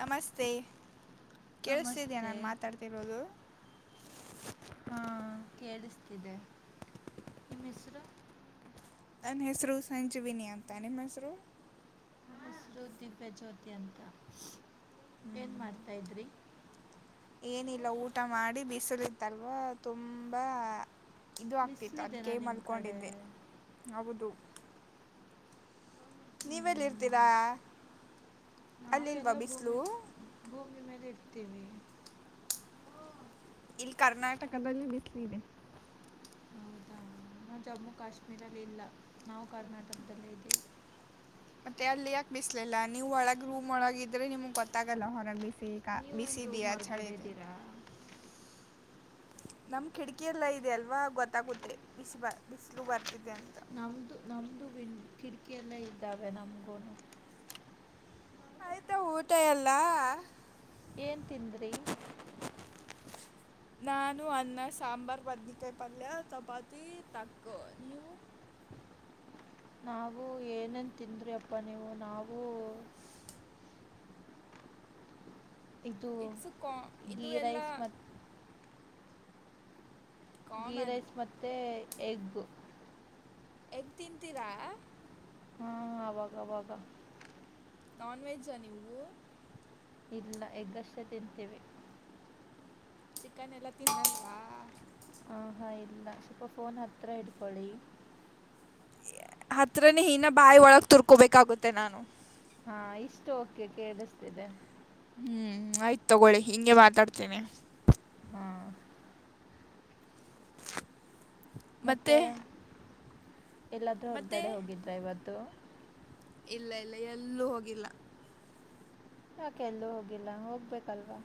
ನಮಸ್ತೆ ಕೇಳಿಸತಿದೀಯ ನಮಸ್ತೆ ನಾನ್ ಮಾತಾಡ್ತಿರೋದು ಹಾ ಕೇಳಿಸ್ತಿದೆ ನಿಮ್ಮ ಹೆಸರು ನನ್ನ ಹೆಸರು ಸಂಜಿವಿನಿ ಅಂತ ನಿಮ್ಮ್ ಹೆಸರು ಸರು ದಪೆ ಜ್ಯೋತಿ ಅಂತ ಏನ್ ಮಾಡ್ತಾ ಇದ್ರಿ ಏನಿಲ್ಲ ಊಟ ಮಾಡಿ ಬಿಸಿಲತ್ತಲ್ವಾ ತುಂಬಾ ಇದು ಆಗ್ತಿತ್ತು ಅದ್ ಬಿಸಿಲಿದೆನಾ ಕೈ ನಿಮ್ಮ ಕಡೆ ಮಲ್ಕೊಂಡಿದ್ದೆ ಹೌದು ನೀವೆಲ್ಲಿ ಇರ್ತೀರಾ ನಾವವು ಎಲ್ಲ ಭೂಮಿ ಭೂಮಿ ಮೇಲೆ ಇರ್ತೀವಿ ಇಲ್ಲಿ ಕರ್ನಾಟಕದಲ್ಲಿ ಬಿಸಲ ಇಿದೆ ಹೌದಾ ನಾವು ಜಮ್ಮು ಕಾಶ್ಮೀರಲ್ಲಿ ಇಲ್ಲ ನಾವು ಕರ್ನಾಟಕದಲ್ಲೇ ಇದ್ದೀವೆ ಮತ್ತೆ ಅಲ್ಲಿ ಯಾಕ್ ಬಿಸ್ಲಾ ನೀವ್ ಒಳಗ ರೂ ಒೊಳಗಿದ್ರೆ ನಿಮ್ಗ್ ಗೊತ್ತಾಗಲ್ಲ ಹೊರಗ್ ಬಿಸ್ಲಿ ನೀವೇನು ರೂಮ್ ಬಿಸಿಿದ ಹೊರಗಡೆ ಚಳದೆ ಇದ್ದೀರಾ ನಮ್ ಕಿಟಕಿಯ ಎಲ್ಲಾ ಇದೆ ಅಲ್ವಾ ಗೊತ್ತಾಗುತ್ತೆ ಬಿಸಿ ಬ ಬಿಸ್ಲು ಬರ್ತ ನಮ್ದ ನಮ್ದ ಕಿಟಕಿಯಲ್ಲೇ ಇದ್ದಾವೆ ನಮಗೂನು ಆಯ್ತಾ ಊಟ ಎಲ್ಲ ಏನ್ ತಿಂದ್ರಿ ನಾನು ಅನ್ನ ಸಾಂಬಾರ್ ಬದನೇಕಾಯಿ ಪಲ್ಯ ಚಪಾತಿ ತಕ್ಕ ನೀವು [inaudible] ನಾವು ಏನನ್ ತಿಂದ್ರಿ ಅಪ್ಪ ನೀವು ನಾೂ ಇದು ಇಟ್ಸ್ ಕಾ ಇದು ೀ ಎಲ್ಲ ರೈಸ್ ಮತ್ತು ಗೀ ಕಾಮನ್ ರೈಸ್ ಮತ್ತೆ ಎಗ್ ಎಗ್ ತಿಂತೀರಾ ಹಾ ಆಾಗಾಗ ನಾನ್ವೆೆಜ್ಜಾ ನೀವು ಇಲ್ಲ ಎಗ್ಗಷ್ಟೇ ತಿಂತೀವಿ ಚಿಕನ್ ಎಲ್ಲಾ ತಿನ್ನಣವಾ ಆ ಹಾ ಇಲ್ಲ ಸ್ವಲ್ಪ ಫೋನ್ ಹತ್ರ ಇಡ್ಕೊಳ್ಳಿ ಹತ್ರನೇ ಹನ ಬಾಯಿ ಒಳಗ್ ತುರ್ಕೊಬೇಕಾಗುತ್ತೆ ನಾನು ಹಾ ಇಷ್ಟು ಓಕೆ ಕೇಳಿಸ್ತಿದೆ ಹ್ಮ್ ಆಯ್ತು ತಗೊಳ್ಳಿ ಹಿಂಗೆ ಮಾತಾಡ್ತೇನೆ ಹ್ಮ [inaudible] ಮತ್ತೆ ಎಲ್ಲಾದ್ರೂ ಮತ್ತೆ ಹೊರ್ಗಡೆ ಹೋಗಿದ್ರೆ ಇವತ್ತು ಇಲ್ಲ ಇಲ್ಲ ಎಲ್ಲೂ ಹೋಗಿಲ್ಲ ಯಾಕೆ ಎಲ್ಲ ಹೋಗಿಲ್ಲ ಹೋಗ್ಬೇಕಲ್ವಾ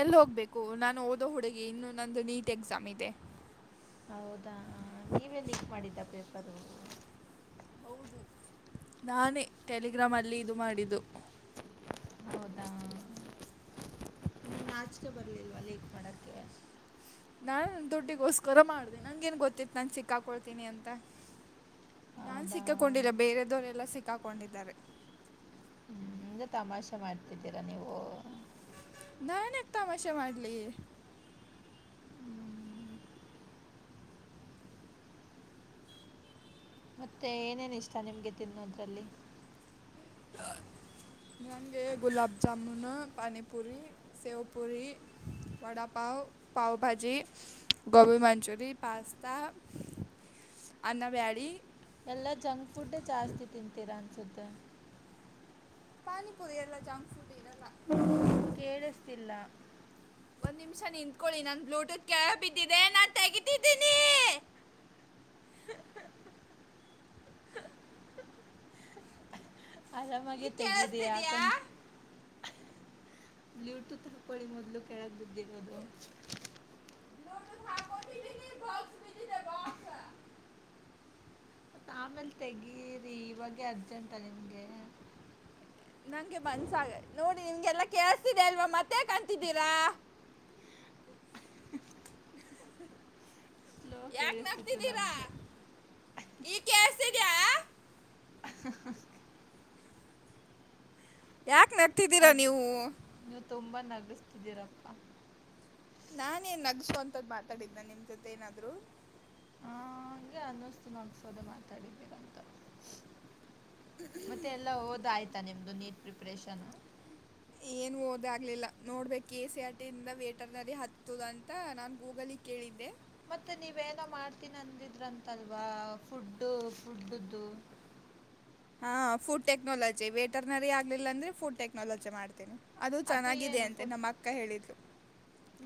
ಎಲ್ಲಿ ಹೋಗ್ಬೇಕು ನಾನು ಓದೋ ಹುಡುಗಿ ಇನ್ನು ನಂದು ನೀಟ್ ಎಕ್ಸಾಮ್ ಇದೆ ಹೌದಾ ನೀವೇ ಲೀಕ್ ಮಾಡಿದ್ದ ಪೇಪರು ಹೌದು ನಾನೇ ಟೆಲಿಗ್ರಾಮ್ ಅಲ್ಲಿ ಇದು ಮಾಡಿದ್ದು ಹೌದಾ ಇನ್ನು ನಾಚಕೆ ಬರ್ಲಿಲ್ವಾ ಲೇಕ್ ಮಾಡಕ್ಕೆ ನಾನ್ ದುಡ್ಡಿಗೋಸ್ಕರ ಮಾಡ್ದನಿ ಹಂಗ ೇನ್ ಗೊತ್ತಿತ್ತು ನಾನು ಸಿಕ್ಕಾಕೊಳ್ತೀನಿ ಅಂತ ನಾನ್ ಹೌದಾ ಸಿಕ್ಕಾಕೊಂಡಿಲ್ಲ ಬೇರೆದವರೆಲ್ಲ ಸಿಕ್ಕಾಕೊಂಡಿದ್ದಾರೆ ಹ್ಮ್ ತಮಾಷೆ ಮಾಡ್ತಿದ್ದೀರಾ ನೀವು ನಾನ್ಕ್ ತಮಾಷೆ ಮಾಡ್ಲಿ ಮತ್ತೆ ಏನೇನ್ ಇಷ್ಟ ನಿಮ್ಗೆ ತಿನ್ನೋದ್ರಲ್ಲಿ ನಂಗೆ ಗುಲಾಬ್ ಜಾಮೂನು ಪಾನಿಪುರಿ ಸೇವ್ ಪುರಿ ವಡಾ ಪಾವ ಪಾವಭಾಜಿ ಗೋಬಿ ಮಂಚುರಿ ಪಸ್ಾ ಹ ಅನ್ನ ಬ್ಯಾಡಿ ಎಲ್ಲಾ ಜಂಕ್ ಫುಡ್ೇ ಜಾಸ್ತಿ ತಿಂತೀರಾ ಅನ್ಸುತ್ತೆ ಪಾನಿಪುರಿ ಎಲ್ಲ ಜಂಕ್ ಫುಡ್ ಇದೆಲ್ಲ ಕೇಳಿಸ್ತಿಿಲ್ಲ ಒಂದ್ ನಿಮಿಷ ನಿಂತ್ಕೊಳ್ಳಿ ನಾನು ಬ್ಲೂಟೂತ್ ಕೆಳ ಬಿದ್ದಿದೆ ನಾನು ತೆಗಿತಿದ್ದೀನಿ ಆರಾಮಾಗಿೆ ಈಗ ತೆಗಿದ ಕೇಳಿಸ್ತಿದ್ಯಾ ಯಾಕಂದ ಬ್ಲೂಟೂತ್ ಹಾಕ್ಕೊಳ್ಳಿ ಮೊದ್ಲು ಕೆೇಳಕ್ ಬಿದ್ದಿರ ಅದು ನೋ ಬ ಮತ್ತು ಆಮೇಲೆ ತೆಗೀರಿ ಇವಾಗೇ ಅರ್ಜೆಂಟಾ ನಿಮಗೆ ನಂಗೆ ಬನ್ಸಾಗ ನೋಡಿ ನಿಮ್ಗೆಲ್ಲಾ ಕೇಳಸ್ತಿದೆ ಅಲ್ವಾ ಮತ್ತೆ ಕಂತಿದ್ದೀರಾ ಸ್ಲೋ ಯಾಕ ಕೇಳಿಸ್ತಿತ್ತು ನಡ್ತಿದ್ದೀರಾ ನಮಗೆ ಈ ಕೆ ಹ ಯಾಕ ನಡ್ತಿದ್ದೀರಾ ನೀವು ತುಂಬಾ ನಗಿಸ್ತಿದ್ದೀರಪ್ಪ ನಾ ನ್ ನಗಸೋ ಅಂತದ್ದ್ ಮಾತಾಡಿದ್ನ ನಿಮ್ ಜೊತೆ ಏನಾದ್ರು ಆ, ಹಂಗೆ ಅನ್ನ್ತು ನಗಸೋದೆ ಮಾತಾಡಿದ್ದೀರಂತ ಮತ್ತೆ ಎಲ್ಲ ಹಓದ ಆಯ್ತಾ ನಿಮ್ದು ನೀಟ್ ಪ್ರಿಪರೇಷನ್ ಏನು ಓದಾಗಗ್ಲಿಲ್ಲ ನೋಡ್ಬೇಕು ಎ ಸಿ ಆರ್ ಟಿಂದ ವೇಟರ್ ನದ ಹತ್ತದ ಅಂತ ನಾನ್ ಗೂಗಲ್ ಕೇಳಿದ್ದೆ ಮತ್ತೆ ನೀವೇನೋ ಮಾಡ್ತೀನಿ ಅಂದಿದ್ರಂತಲ್ವಾ ಫುಡ್ಡು ಫುಡ್ಡ್ದು ಹಾ ಫುಡ್ ಟೆಕ್ನಾಲಜಿ ವೆಟರ್ನರಿ ಆಗ್ಲಿಲ್ಲ ಅಂದ್ರೆ ಫುಡ್ ಟೆಕ್ನಾಲಜಿ ಮಾಡ್ತೇನಿ ಅದು ಚೆನ್ನಾಗಿದೆ ಏನು ಅಂತೆ ಫುಡ್ ನಮ್ಮ ಅಕ್ಕ ಹೇಳಿದ್ಲು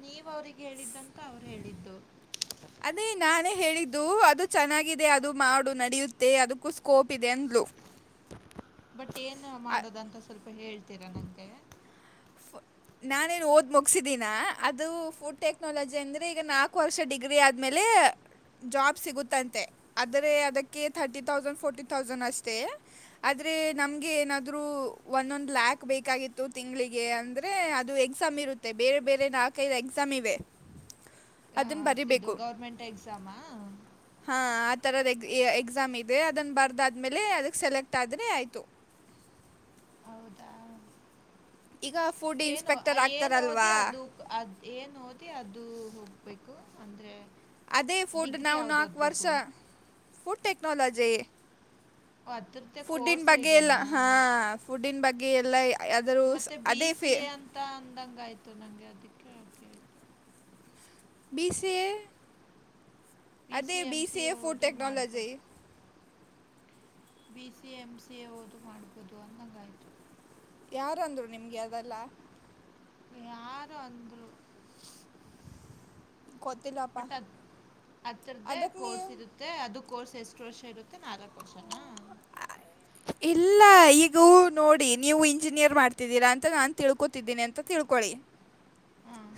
ನೀವು ಅವ್ರಿಗೆ ಹೇಳಿದ್ದಂತ ಅವ್ರು ಹೇಳಿದ್ದು ಅದೇ ನಾನೇ ಹೇಳಿದ್ದು ಅದು ಚೆನ್ನಾಗಿದೆ ಅದು ಮಾಡು ನಡಿಯುತ್ತೆ ಅದಕ್ಕೂ ಸ್ಕೋಪ್ ಇದೆ ಅಂದ ಹಲೋ ಬಟ್ ಏನು ಮಾಡೋದಂತ ಸ್ವಲ್ಪ ಹೇಳ್ತೀರಾ ನನಗೆ ಫು ನಾನೇನ್ ಓದ್ ಮುಗಸಿದೀಿನ ಅದು ಫುಡ್ ಟೆಕ್ನಾಲಜಿ ಅಂದ್ರೆ ಈಗ ನಾಲ್ಕು ವರ್ಷ ಡಿಗ್ರಿ ಆದ್ಮೇಲೆ ಹ ಜಾಬ್ ಸಿಗುತ್ತಂತೆ ಆದ್ರ ಅದಕ್ಕೆ ತರ್ಟಿ ತೌಸಂಡ್ ಫೋರ್ಟಿ ತೌಸಂಡ್ ಅಷ್ಟೇ ೆ ನಮ್ಗೆ ಏನಾದ್ರು ಒಂದೊಂದ್ ಲ್ಯಾಕ್ ಬೇಕಾಗಿತ್ತು ತಿಂಗಳಿಗೆ ಅಂದ್ರೆ ಅದು ಎಕ್ಸಾಮ್ ಇರುತ್ತೆ ಬೇರೆ ಬೇರೆ ನಾಲ್ಕೈದು ಎಕ್ಸಾಮ್ ಇದೆ ಹತ್ತಿದ್ದು ಗೌರ್ಮೆಂಟ್ ಎಕ್ಸಾಮಾ ಹಾಂ ಆ ಥರದ ಎಕ್ಸಾಮ್ ಇದೆ ಅದನ್ನು ಬರೆದಾದ್ಮೇಲೆ ಅದಕ್ಕೆ ಸೆಲೆಕ್ಟ್ ಆದರೆ ಆಯಿತು ಹೌದಾ ಈಗ ಫುಡ್ ಏನು ಇನ್ಸ್ಪೆಕ್ಟರ್ ಏನ್ ಓದೆಿ ಆಗ್ತಾರಲ್ವಾ ಅದು ಅದ್ ಏನ್ ಓದೆ ಅದು ಹೋಗ ಬೇಕು ಅಂದರೆ. ಅದೇ ಫುಡ್ ಡಿಗ್ರಿ ನಾವು ಯಾವ್ದು ನಾಕ್ ವರ್ಷ ಓದಬೇಕು ಫುಡ್ ಟೆಕ್ನಾಲಜಿ. ಅದ್ರದ್ದೇ ಫುಡ್ನ್ ಕೋರ್ಸೇ ಬಗ್ಗೆ ಎಲ್ಲ ಇದೆನಾ ಹಾ ಫುಡ್ನ್ ಬಗ್ಗೆ ಎಲ್ಲ. ಅದರ ಮತ್ತೆ ಬಿ ಅದೇ ಫೇ ಸಿ ಎ ಅಂತ ಅಂದಂಗಾಯ್ತು ನಂಗೆ ಅದಕ್ಕೆ. ಕೇಳ್ತೀನಿ ಬಿ ಸಿ ಎ ಅದೇ ಬಿ ಸಿ ಎಫುಡ್ ಟೆಕ್ನಾಲಜಿ. ಬಿಸಿಎ ಎಂಸಿಯೇ ಓದು ಮಾಡಬಹುದು ಅನ್ನಂಗಾಯ್ತು. ಯಾರಂದ್ರು ನಿಮ್ಗೆ ಅದೆಲ್ಲ. ಯಾರೋ ಅಂದರು. ಗೊತ್ತಿಲ್ಲಪ್ಪ ಬಟ್ ಅದರದೇ ಅದಕ್ಕೆ ಕೋರ್ಸ್ ನೀವು ಇರುತ್ತೆ ಅದು. ಕೋರ್ಸ್ ಎಷ್ಟು ವರ್ಷ ಇರುತ್ತೆ ನಾಲ್ಕು ವರ್ಷನಾ. ಇಲ್ಲ ಈಗೂ ನೋಡಿ ನೀವು ಇಂಜಿನಿಯರ್ ಮಾಡ್ತಿದ್ದೀರಾ ಅಂತ ನಾನ್ ತಿಳ್ಕೊತಿದ್ದೀನಿ ಅಂತ. ತಿಳ್ಕೊಳಿ. ಹಾಂ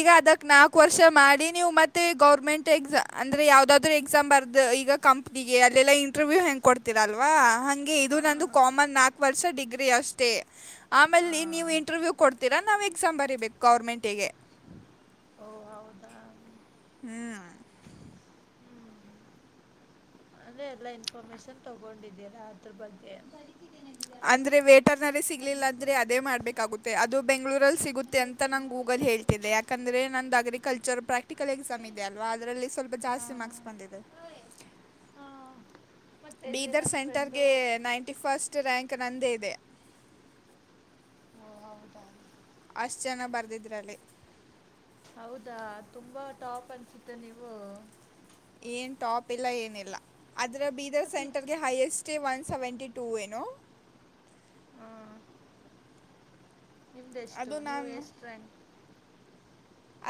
ಈಗ ಅದಕ್ ನಾಕ್ ವರ್ಷ ಮಾಡಿ ನೀವು ಮತ್ತೆ ಗೌರ್ಮೆಂಟ್ ಎಕ್ಸ ಅಂದ್ರೆ ಯಾವ್ದಾದ್ರು ಎಕ್ಸಾಮ್ ಬರ್ದು. ಈಗ ಕಂಪ್ನಿಗೆ ಅಲ್ಲೆಲ್ಲಾ ಇಂಟರ್ವ್ಯೂ ಹೆಂಗ್ ಕೊಡ್ತಿರಲ್ವಾ ಹಂಗೆ ಇದು ನಂದು ಹಾಂ ಕಾಮನ್ ನಾಲ್ಕು ವರ್ಷ. ಡಿಗ್ರಿ ಅಷ್ಟೇ ಆಮೇಲೆ ನೀವು ನೀವು ಹಾಂ ಇಂಟರ್ವ್ಯೂ ಕೊಡ್ತೀರಾ ನಾವು ಎಕ್ಸಾಮ್ ಬರಿಬೇಕು ಗೌರ್ಮೆಂಟ್ ಗೆ. ಓ ಹೌದಾ ಹ್ಮ್ ಅದೇ ಎಲ್ಲಾ ಇನ್ಫಾರ್ಮೇಶನ್ ತಗೊಂಡಿದೀರಾ ಅದ್ರ ಬಗ್ಗೆ. ದಿವ್ಯಾ ಅದು ಅಂದ್ರೆ ವೆಟರ್ನರಿ ಅದು ಸಿಗ್ಲಿಲ್ಲ ಬುಕ್ ಅಂದ್ರೆ ಕೊಡಿ ಅದೇ ಇನ್ನೊಂದು ಮಾಡ್ಬೇಕಾಗುತ್ತೆ ಅದು ಬೆಂಗ್ಗಳೂರ ಸಿಗುತ್ತೆ ನನಗೆ ಅಂತೆ ಪೆನ್ ನಂಗ್ ಅವೆಲ್ಲ ಗೂಗಲ್ ಹೇಳ್ತಿದೆ ಯಾಕಂದರೆ ನನ್ನದು ಅಗ್ರಿಕಲ್ಚರ್ ಪ್ರಾಕ್ಟಿಕಲ್ ಎಕ್ಸಾಮ್ ಇದೆ ಕೊಡು ಅಲ್ವಾ ಅದ್ರಲ್ಲಿ. ಸ್ವಲ್ಪ ಹಾ ಜಾಸ್ತಿ ಮಾರ್ಕ್ಸ್ ಬಂದಿದೆ. ಹಾ ಮತ್ತೆ ಇಲ್ಲಿ ಬೀದರ್ ನನ್ನ ಫ್ರೆಂಡು ಸೆಂಟರ್ಗೆ ನೈಂಟಿ ಫಸ್ಟ್ ರಾಂಕು. ಕ ನಂದೇ ಇದೆ. [inaudible] ಅಷ್ಟು ಜನ ಬರ್ದಿದ್ರಲ್ಲಿ. ಹೌದಾ ತುಂಬಾ ಟಾಪ್ ಅನ್ಸುತ್ತೆ ನೀವು. ಏನ್ ಟಾಪ್ ಇಲ್ಲ ಏನು ಇಲ್ಲ ಅದ್ರೆ ಬೀದರ್ ಅತಿ ಸೆಂಟರ್ಗೆ highest. T one seventy two ಏನೋ. ಹಾ ನಿಮ್ದೆಷ್ಟು ಅದು ನೀವು ನಾನು ಎಷ್ಟು ರಾಂಕ್.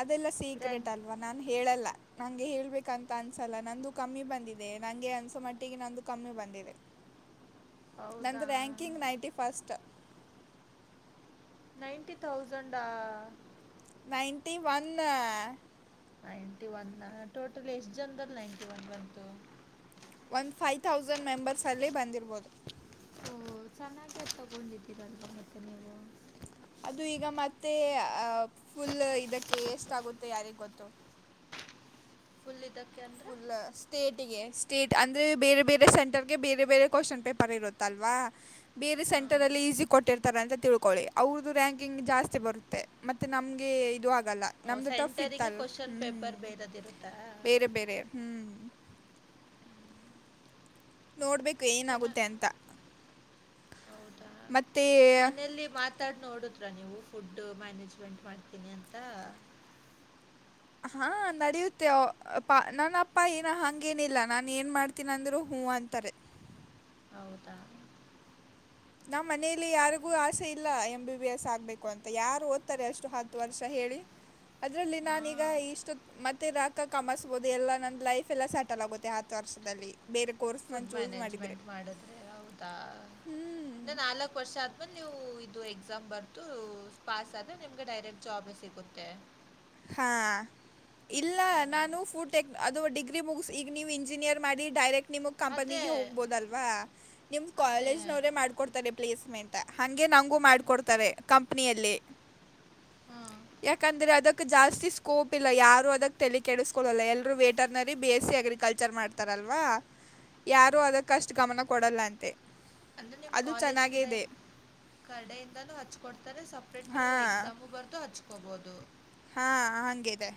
ಅದೆಲ್ಲ ಸೀಕ್ರೆಟ್ ಅಲ್ವಾ ನಾನು ಹೇಳಲ್ಲ. ನಂಗೆ ಹೇಳ್ಬೇಕಂತ ಅನ್ಸಲ್ಲ ನಂದು ಕಮ್ಮಿ ಬಂದಿದೆ ನಂಗೆ ಅನ್ಸೋ ಮಟ್ಟಿಗೆ ನಂದು ಕಮ್ಮಿ ಬಂದಿದೆ. [unintelligible] ಹೌದಾ ನಂದು ರಾಂಕಿಂಗ್ ನೈಂಟಿ ಫಸ್ಟ್. ನೈನ್ಟಿ ತೌಸಂಡಾ. Ninety one. Ninety one total ಎಷ್ಟು ಜನದಲ್ ನೈನ್ಟಿ ಒನ್ ಬಂತು. ಒಂದ್ ಫೈವ್ ಥೌಸಂಡ್ ಮೆಂಬರ್ಸ್ ಅಲ್ಲೇ ಬಂದಿರ್ಬೋದು. ಓ ಚೆನ್ನಾಗೆ ತಗೊಂಡಿದೀರಾ ಅಲ್ವ ಮತ್ತೆ ನೀವು. ಅದು ಈಗ ಮತ್ತೆ ಫುಲ್ ಇದಕ್ಕೆ ಎಷ್ಟಾಗುತ್ತೆ ಯಾರಿಗೆ ಗೊತ್ತು. ಫುಲ್ ಇದಕ್ಕೆ ಅಂದರೆ ಫುಲ್ ಸ್ಟೇಟಿಗೆ. ಸ್ಟೇಟ್ ಅಂದ್ರೆ ಬೇರೆ ಬೇರೆ ಸೆಂಟರ್ಗೆ ಬೇರೆ ಬೇರೆ ಕೋಶನ್ ಪೇಪರ್ ಇರುತ್ತಲ್ವಾ ಬೇರೆ ಹಾಂ ಸೆಂಟರ್ ಅಲ್ಲಿ. ಈಜಿ ಕೊಟ್ಟಿರ್ತಾರ ಅಂತ ತಿಳ್ಕೊಳ್ಳಿ ಅವ್ರದ್ದು ರ್ಯಾಂಕಿಂಗ್ ಜಾಸ್ತಿ ಬರುತ್ತೆ ಮತ್ತೆ ನಮ್ಗೆ ಇದು. ಆಲ್ಲ ನಮ್ದು ಟಫ್ ಸೆಂಟರಿಗೆ ಇತ್ತಲ್ ಕ್ವಶನ್ ಹ್ಮ್. ಪೇಪರ್ ಬೇರೆದಿರುತ್ತಾ ಬೇರೆ ಬೇರೆ ಹ್ಮ್ ನೋಡ್ಬೇಕು ಚೆನ್ನಾಗಿ ಏನಾಗುತ್ತೆ ಅಂತ ಮತ್ತೆ. ಮಾತಾಡ್ ನೋಡುದ್ರ ನೀವು ಫುಡ್ ಮ್ಯಾನೇಜ್ಮೆಂಟ್ ಮಾಡ್ತೀನಿ ಅಂತ. ಹಾ ನಡೆಯುತ್ತೆ ಪ ನನ್ನ ಅಪ್ಪ ಏನ ಹಂಗೇನಿಲ್ಲ ನಾನ್ ಏನ್ ಮಾಡ್ತೀನ್ ಅಂದ್ರು. ಹು ಅಂತಾರೆ. ಹೌದಾ ನಮ್ಮ್ ಮನೇಲಿ ಯಾರಿಗೂ ಆಸೆ ಇಲ್ಲ ಎಂ ಬಿ ಬಿ ಎಸ್ ಆಗ್ಬೇಕು ಅಂತ ಯಾರು ಓದ್ತಾರೆ ಅಷ್ಟು ಹತ್ತು ವರ್ಷ ಹೇಳಿ ಅದ್ರಲ್ಲಿ ಹಾ. ನಾನೀಗ ಇಷ್ಟ ಮ ರಾಕ ಕಮಸ್ಬಹುದು ಎಲ್ಲಾ ನಂದ ಲೈಫ್ ಎಲ್ಲ ಸೆಟಲ್ ಆಗುತ್ತೆ ಹತ್ ವರ್ಷದಲ್ಲಿ ಬೇರೆ ಕೋರ್ಸ್ ನಾನು ಫುಡ್ ಚೂಸ್ ಮಾಡಿದರೆ ಮ್ಯಾನೇಜ್ಮೆಂಟ್ ಮಾಡಿದ್ರೆ ಹೌದಾ ಇ ನಾಲ್ಕು ವರ್ಷ ಆದ್ಮೇಲೆ ನೀವು ಇದು ಎಕ್ಸಾಮ್ ಬರ್ತು ಪಾಸ್ ಆದ್ಮೆ ನಿಮ್ಗೆ ಡೈರೆಕ್ಟ್ ಜಾಬ್ ಸಿಗುತ್ತೆ ಮತ್ತೆ ಹಾ ಇಲ್ಲ ಓಹ್! ನಾನು ಫು ಟೆಕ್ ಅದು ಡಿಗ್ರಿ ಮುಗಿಸಿ ಈಗ ನೀವು ಇಂಜಿನಿಯರ್ ಮಾಡಿ ಡೈರೆಕ್ಟ್ ನಿಮಗೆ ಅದೇ, ಕಂಪನಿಗೆ ಹೋಗ್ಬೋದಲ್ವಾ ನಿಮ್ಮ ಅದೇ. ಕಾಲೇಜ್ನವರೇ ಮಾಡ್ಕೊಡ್ತಾರೆ ಪ್ಲೇಸ್ಮೆಂಟ್ ಹಗೆ ನಂಗು ಮಾಡ್ಕೊಡ್ತಾರೆ ಕಂಪನಿಯಲ್ಲಿ ಹಾಂ. ಯಾಕಂದ್ರೆ ಅದ ಜಾಸ್ತಿ ಸ್ಕೋಪ್ ಇಲ್ಲ ಯಾರು ಅದಕ್ಕೆ ತೆ ಕೆಡಿಸಕೊಳ್ಳಳಲ್ಲ ಎಲ್ರು veterinary B S C agriculture ಮಾಡ್ತಾರಲ್ಲ ಅಲ್ವಾ ಯಾರು ಅದಕ್ಕಷ್ಟು ಗಮನ ಕೊಡಲ್ಲ ಅಂತೆ ಅಂದ್ರೆ ನಿಮ್ ಅದು ಕಾಲೇಜ್ ಚೆನ್ನಾಗೇ ಕಿಡ ಇದೆ ಕಡೆಯಿಂದಾನೂ ಹಚ್ಕೊಡ್ತಾರೆ ಸ ಸಪ್ರೇಟ್ ನೀವು ಎಕ್ಸಾಮು ಬರೆದು ಹಚ್ಕೊಬೋದು ಹಾ ಹಂಗಿದೆ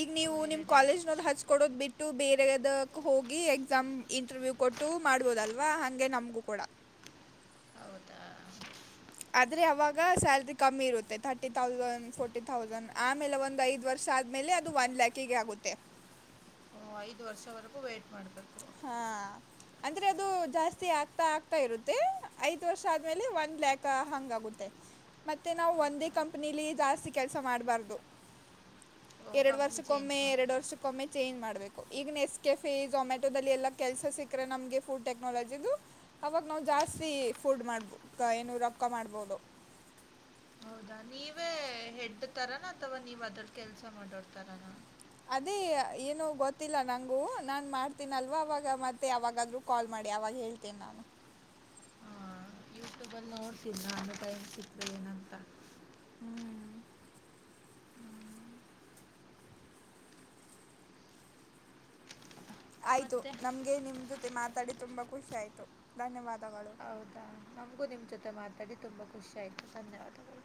ಈಗ ನೀವು ಓಹ್! ನಿಮ್ ಎರಡೆರಡು ಕಾಲೇಜ್ನೋಡ್ ಆಪ್ಷನ್. ಹಚ್ಕೊಡೋದು ಬಿಟ್ಟು ಬೇರೆ ತೆಗೆದಕ್ ಹೋಗಿ ಎಕ್ಸಾಮ್ ಇಂಟರ್ವ್ಯೂ ಕೊಟ್ಟು ಮಾಡ್ಬೋದಲ್ವಾ ಹಗೆ ನಮ್ಗೂ ಕೂಡ ಹೌದ ಆದ್ರೆ ಅವಾಗ ಸ್ಯಾಲ್ರಿ ಕಮ್ಮಿ ಇರುತ್ತೆ ತರ್ಟಿ ತೌಸಂಡ್ ಫೋರ್ಟಿ ತೌಸಂಡ್ ಆಮೇಲೆ ಒಂದು ಐದು ವರ್ಷ ಆದ್ಮೇಲೆ ಅದು ಒನ್ ಲ್ಯಾಕಿಗೆ ಆಗುತ್ತೆ ಓ ಐದ್ ವರ್ಷವರೆಗೂ ವೈಟಟ್ ಮಾಡ ಹಾ ಅಂದ್ರೆ ಅದು ಜಾಸ್ತಿ ಆಗ್ತಾ ಆಗ್ತಾ ಇರುತ್ತೆ ಐದ್ ವರ್ಷ ಆದ್ಮೇಲೆ ಒನ್ ಲ್ಯಾಕ್ ಹಂಗ ಆಗುತ್ತೆ ಮತ್ತೆ ನಾವು ಒಂದೇ ಹೌದಾ ಕಂಪನಿಲಿ ಜಾಸ್ತಿ ಕೆಲಸ ಮಾಡಬಾರ್ದು ಹ ಎರಡು ವರ್ಷಕ್ಕೊಮ್ಮೆ ಎರಡ್ ವರ್ಷಕ್ಕೊಮ್ಮೆ ಚೇಂಜ್ ಮಾಡ್ಬೇಕು ಈಗ ಎಸ್ ಕೆಫೆಮ್ಯಾಟ ದಲ್ಲಿ ಎಲ್ಲಾ ಕೆಲ್ಸ ಸಿಕ್ಕ್ರೆ ನಮ್ಗೆ ಫುಡ್ ಟೆಕ್ನಾಲಜಿು ಅವಾಗ ನಾವು ಜಾಸ್ತಿ ಫುಡ್ ಮಾಡ್ಬ ಏನುೂ ರಕ್ಕ ಮಾಡ್ಬೋದು ಹ ನೀವೇ ಹೆಡ್ತಾರಾನ ಅಥವಾ ನೀವ್ ಅದ್ರ ಕೆಲ್ಸ ಮಾಡೋಡ್ತಾರಾನ ಅದೇ ಏನು ಗೊತ್ತಿಲ್ಲ ನಂಗೂ ನಾನ್ ಮಾಡ್ತೀನಲ್ವಾ ಅವಾಗ ಮತ್ತೆ ಅವಾಗಾದ್ರೂ ಕಾಲ್ ಮಾಡ ನಡಿ ಅವಾಗ ಹೇಳ್ತೇನೆ ನಾನು ಹಾ ಯಟ್ಯೂಬಲ್ಲಿ ನೋಡ್ತನ ನ ಅನ್ನ ಸಿತ್ ಏನಂತ ಹ್ಮ್ ಆಯ್ತು ಮತ್ತೆ ನಮ್ಗೆ ನಿಮ್ಮ ಜೊತೆ ಮಾತಾಡಿ ತುಂಬಾ ಖುಷಿ ಆಯ್ತು ಧನ್ಯವಾದಗಳು ನಮ್ಗೂ ನಿಮ್ ಜೊತೆ ಮಾತಾಡಿ ತುಂಬಾ ಖುಷಿ ಆಯ್ತು ಧನ್ಯವಾದಗಳು